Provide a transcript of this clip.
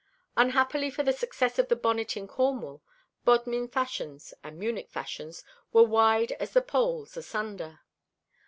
Unhappily for the success of the bonnet in Cornwall, Bodmin fashions and Munich fashions were wide as the poles asunder.